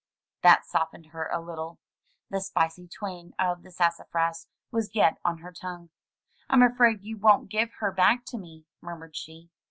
That softened her a little. The spicy twang of the sassa fras was yet on her tongue. rm afraid you won't give her back to me," murmured she.